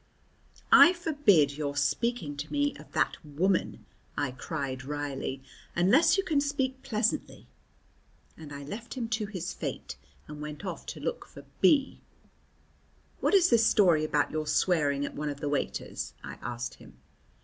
"I forbid your speaking to me of that woman," I cried wryly, "unless you can speak pleasantly," and I left him to his fate and went off to look for B . "What is this story about your swearing at one of the waiters?" I asked him.